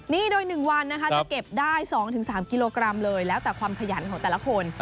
นี่โดย๑วันนะคะจะเก็บได้๒๓กิโลกรัมเลยแล้วแต่ความขยันของแต่ละคน